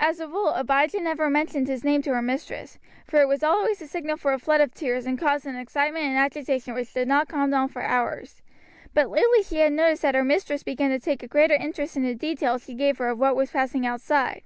As a rule Abijah never mentioned his name to her mistress, for it was always the signal for a flood of tears, and caused an excitement and agitation which did not calm down for hours; but lately she had noticed that her mistress began to take a greater interest in the details she gave her of what was passing outside.